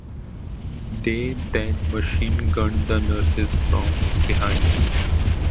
They then machine-gunned the nurses from behind.